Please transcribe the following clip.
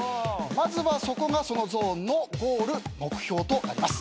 まずはそこがそのゾーンのゴール目標となります。